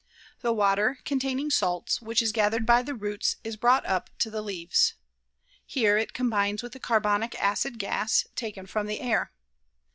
The water, containing salts, which is gathered by the roots is brought up to the leaves. Here it combines with the carbonic acid gas taken from the air.